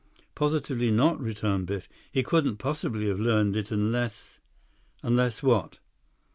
"Positively not," returned Biff. "He couldn't possibly have learned it—unless—" "Unless what?"